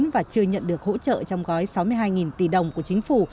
và chưa nhận được hỗ trợ trong gói sáu mươi hai tỷ đồng của chính phủ